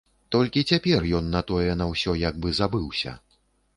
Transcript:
Толькі цяпер ён на тое на ўсё як бы забыўся.